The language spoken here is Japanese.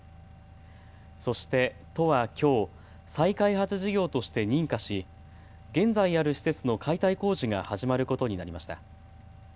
そして都はきょう、再開発事業として認可し現在ある施設の解体工事が始まることになりました。